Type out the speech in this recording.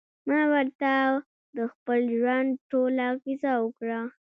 ما ورته د خپل ژوند ټوله کيسه وکړه.